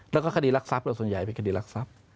แล้วก็คดีรักทรัพย์ส่วนใหญ่เป็นคดีรักทรัพย์